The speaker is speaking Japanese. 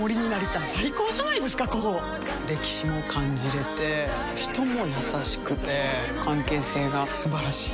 歴史も感じれて人も優しくて関係性が素晴らしい。